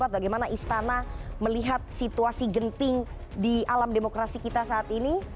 bagaimana istana melihat situasi genting di alam demokrasi kita saat ini